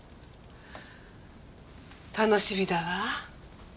楽しみだわ。